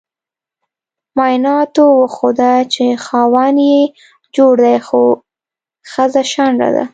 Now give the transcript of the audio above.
معایناتو وخوده چې خاوند یي جوړ دې خو خځه شنډه ده